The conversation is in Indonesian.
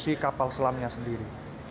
produksi kapal selamnya sendiri